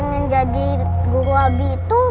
yang pengen jadi guru abi itu